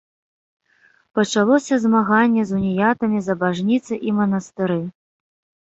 Пачалося змаганне з уніятамі за бажніцы і манастыры.